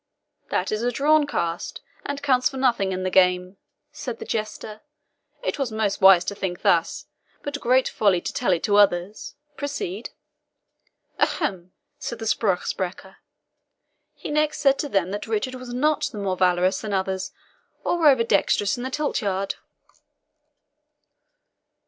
"That is a drawn cast, and counts for nothing in the game," said the jester; "it was most wise to think thus, but great folly to tell it to others proceed." "Ha, hem!" said the SPRUCH SPRECHER; "he next said to them that Richard was not more valorous than others, or over dexterous in the tilt yard."